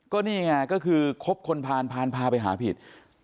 ก็เนี่ยก็คือคบคนพาไปหาผิด